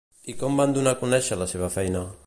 I com van donar a conèixer la seva feina?